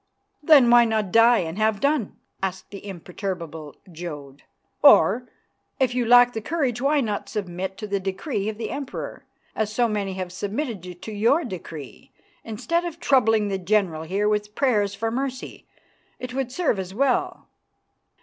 "Then why not die and have done?" asked the imperturbable Jodd. "Or, if you lack the courage, why not submit to the decree of the Emperor, as so many have submitted to your decree, instead of troubling the general here with prayers for mercy? It would serve as well."